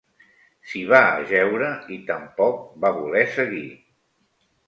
S'hi va ajeure i tampoc va voler seguir.